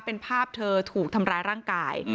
เป็นภาพเธอถูกทำร้ายร่างกาย